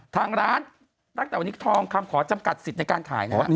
ทางร้านตั้งแต่วันนี้ทองคำขอจำกัดสิทธิ์ในการขายเลยว่า